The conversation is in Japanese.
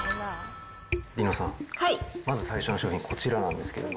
梨乃さん、まず最初の商品、こちらなんですけれども。